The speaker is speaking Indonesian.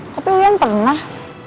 tapi uyan pernah